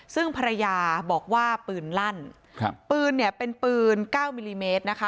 ซึ่งภรรยาบอกว่าปืนลั่นครับปืนเนี่ยเป็นปืนเก้ามิลลิเมตรนะคะ